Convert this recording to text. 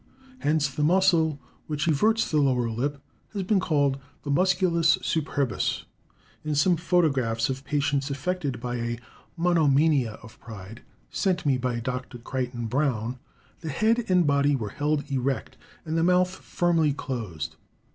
Hence the muscle which everts the lower lip has been called the musculus superbus. In some photographs of patients affected by a monomania of pride, sent me by Dr. Crichton Browne, the head and body were held erect, and the mouth firmly closed.